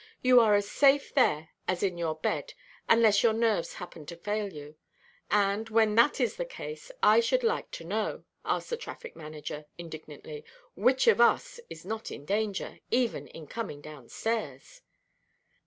You are as safe there as in your bed, unless your nerves happen to fail you. And, when that is the case, I should like to know," asked the traffic–manager indignantly, "which of us is not in danger, even in coming down–stairs?"